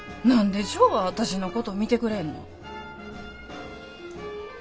何でジョーは私のこと見てくれへんの。